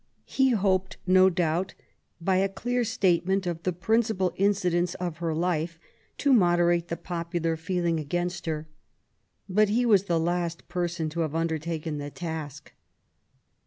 He hoped, no doubt, by a clear statement of the prin cipal incidents of her life to moderate the popular feeling against her. But he was the last person to have undertaken the task.